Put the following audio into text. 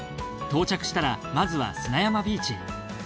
到着したらまずは砂山ビーチへ。